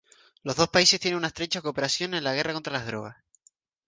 Los dos países tienen una estrecha cooperación en la guerra contra las drogas.